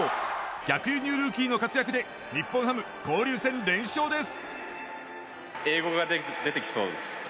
逆輸入ルーキーの活躍で日本ハム、交流戦連勝です！